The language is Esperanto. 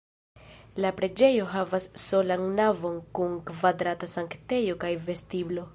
La preĝejo havas solan navon kun kvadrata sanktejo kaj vestiblo.